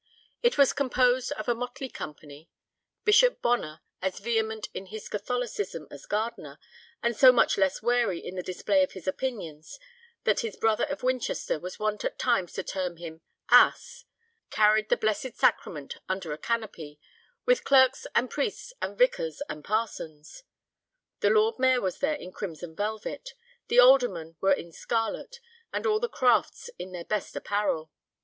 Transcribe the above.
It was composed of a motley company. Bishop Bonner as vehement in his Catholicism as Gardiner, and so much less wary in the display of his opinions that his brother of Winchester was wont at times to term him "asse" carried the Blessed Sacrament under a canopy, with "clerks and priests and vicars and parsons"; the Lord Mayor was there in crimson velvet, the aldermen were in scarlet, and all the crafts in their best apparel.